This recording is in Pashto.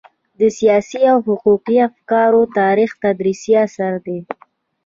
د سياسي او حقوقي افکارو تاریخ تدريسي اثر دی.